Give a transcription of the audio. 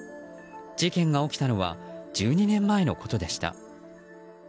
事件が起きたのは１２年前のことでした。